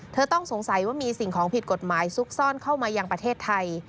ต้องสงสัยว่ามีสิ่งของผิดกฎหมายซุกซ่อนเข้ามายังประเทศไทย